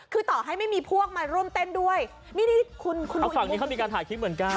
คือต่อให้ไม่มีพวกมาร่วมเต้นด้วยนี่นี่คุณเอาฝั่งนี้เขามีการถ่ายคลิปเหมือนกัน